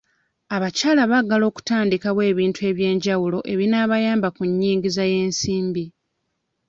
Abakyala bagala kutandikawo ebintu ebyenjawulo ebinaayamba ku nnyingiza y'ensimbi.